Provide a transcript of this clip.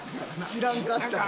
知らんかったから。